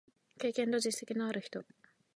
経験と実績のある人